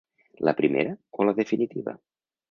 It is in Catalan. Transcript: La primera o la definitiva?